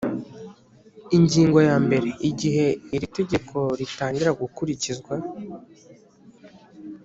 Ingingo ya mbere Igihe iri tegeko ritangira gukurikizwa